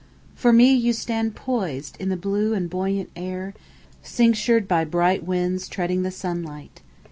For me, You stand poisedIn the blue and buoyant air, Cinctured by bright winds, Treading the sunlight.